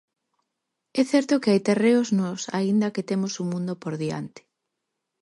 É certo que hai terreos nos aínda que temos un mundo por diante.